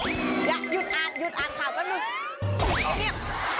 อย่าหยุดอ่านหยุดอ่านข่าวแป๊บมือ